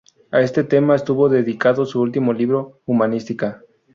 A este tema estuvo dedicado su último libro: "Humanística.